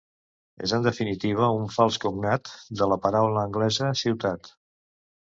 És en definitiva un fals cognat de la paraula anglesa "ciutat".